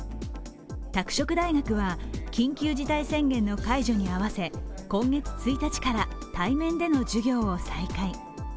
拓殖大学は緊急事態宣言の解除に合わせ今月１日から対面での授業を再開。